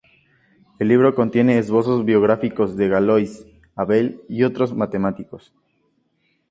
El libro contiene esbozos biográficos de Galois, Abel y varios otros matemáticos.